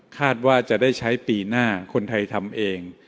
คาดว่าจะได้ใช้ปีหน้าคนไทยทำเอง